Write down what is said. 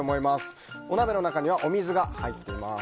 お鍋の中にはお水が入っています。